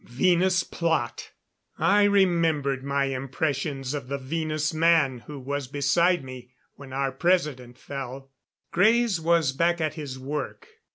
'" Venus plot! I remembered my impressions of the Venus man who was beside me when our President fell. Greys was back at his work.